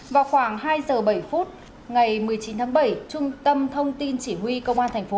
vào khoảng hai giờ bảy phút ngày một mươi chín tháng bảy trung tâm thông tin chỉ huy công an thành phố